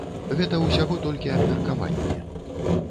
Гэта ўсяго толькі абмеркаванне.